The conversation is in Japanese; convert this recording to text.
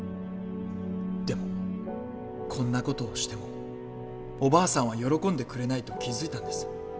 でもこんな事をしてもおばあさんは喜んでくれないと気付いたんです。